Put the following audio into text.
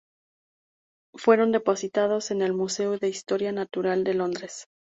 Fueron depositados en el Museo de Historia Natural, de Londres.